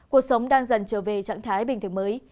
cuộc sống đang dần trở về trạng thái bình thường mới